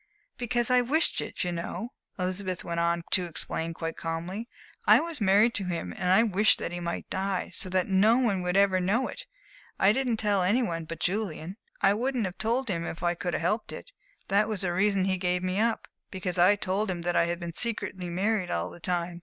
"Because I wished it, you know," Elizabeth went on to explain quite calmly. "I was married to him, and I wished that he might die, so that no one would ever know it, I didn't tell any one but Julian I wouldn't have told him if I could have helped it. That was the reason he gave me up because I told him that I had been secretly married all the time.